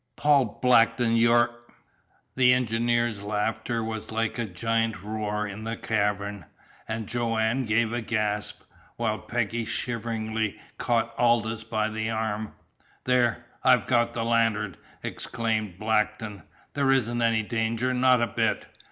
"Paul Blackton, you're " The engineer's laughter was like a giant's roar in the cavern, and Joanne gave a gasp, while Peggy shiveringly caught Aldous by the arm. "There I've got the lantern!" exclaimed Blackton. "There isn't any danger, not a bit.